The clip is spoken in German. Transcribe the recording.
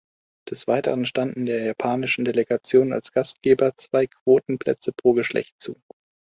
Des Weiteren standen der japanischen Delegation als Gastgeber zwei Quotenplätze pro Geschlecht zu.